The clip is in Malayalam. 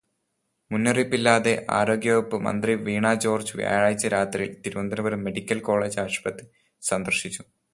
മുന്നറിയിപ്പില്ലാതെ ആരോഗ്യവകുപ്പ് മന്ത്രി വീണാ ജോര്ജ് വ്യാഴാഴ്ച രാത്രിയില് തിരുവനന്തപുരം മെഡിക്കല് കോളേജ് ആശുപത്രി സന്ദര്ശിച്ചു.